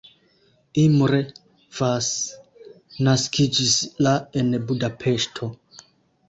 Imre Vas naskiĝis la en Budapeŝto.